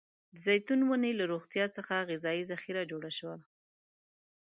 د زیتون ونې له روغتيا څخه غذايي ذخیره جوړه شوه.